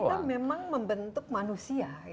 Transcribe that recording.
karena ini kita memang membentuk manusia